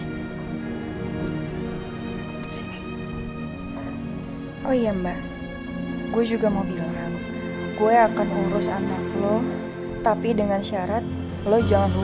hai oh iya mbak gue juga mau bilang gue akan urus anak lo tapi dengan syarat lo jangan hubungi